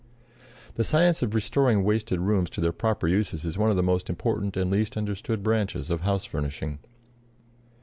The science of restoring wasted rooms to their proper uses is one of the most important and least understood branches of house furnishing.